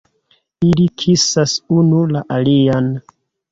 Ili kisas unu la alian!